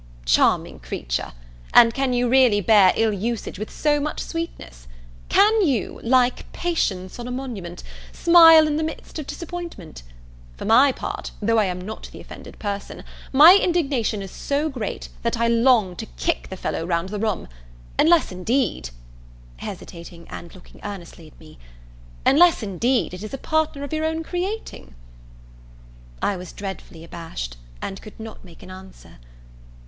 "Charming creature! and can you really bear ill usage with so much sweetness? Can you, like patience on a monument, smile in the midst of disappointment? For my part, though I am not the offended person, my indignation is so great, that I long to kick the fellow round the room! unless, indeed, (hesitating and looking earnestly at me,) unless, indeed, it is a partner of your own creating?" I was dreadfully abashed, and could not make an answer.